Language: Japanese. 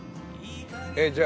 じゃあ。